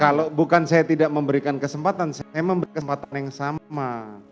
kalau bukan saya tidak memberikan kesempatan saya memberi kesempatan yang sama